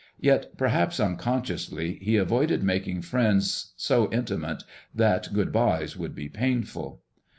Yet, perhaps unconsciously, he avoided making friends so intimate that good bys would be painful.